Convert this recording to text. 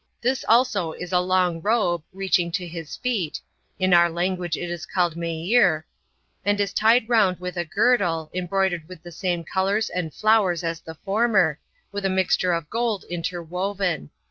This also is a long robe, reaching to his feet, [in our language it is called Meeir,] and is tied round with a girdle, embroidered with the same colors and flowers as the former, with a mixture of gold interwoven.